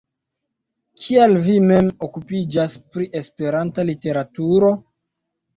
Kial vi mem okupiĝas pri Esperanta literaturo?